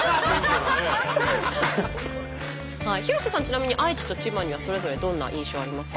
広瀬さんちなみに愛知と千葉にはそれぞれどんな印象ありますか？